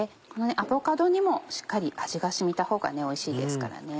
アボカドにもしっかり味が染みたほうがおいしいですからね。